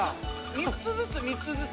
３つずつ３つずつ。